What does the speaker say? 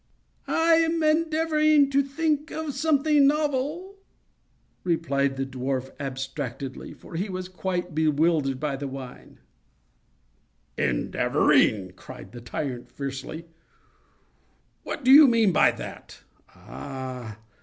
"I am endeavoring to think of something novel," replied the dwarf, abstractedly, for he was quite bewildered by the wine. "Endeavoring!" cried the tyrant, fiercely; "what do you mean by _that?